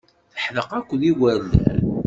Teḥdeq akked yigerdan.